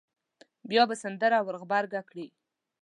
بیا به سندره ور غبرګه کړي.